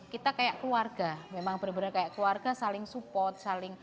kita kayak keluarga memang benar benar kayak keluarga saling support saling